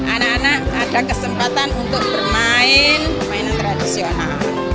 anak anak ada kesempatan untuk bermain permainan tradisional